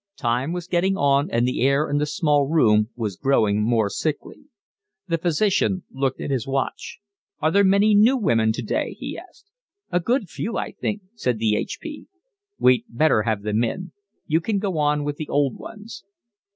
Time was getting on, and the air in the small room was growing more sickly. The physician looked at his watch. "Are there many new women today?" he asked. "A good few, I think," said the H.P. "We'd better have them in. You can go on with the old ones."